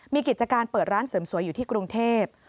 มีกิจการเปิดร้านเสริมสวยอยู่ที่กรุงเทพ